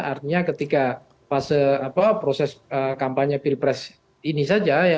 artinya ketika fase proses kampanye pilpres ini saja